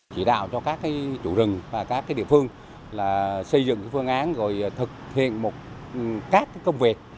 chỉ đạo cho các chủ rừng và các địa phương là xây dựng phương án rồi thực hiện một các công việc